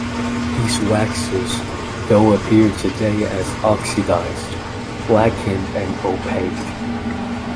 These waxes, though, appear today as oxidized, blackened and opaque.